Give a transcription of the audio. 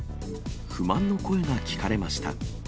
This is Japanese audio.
不満の声が聞かれました。